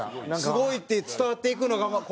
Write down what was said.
すごいって伝わっていくのがこうやっぱ。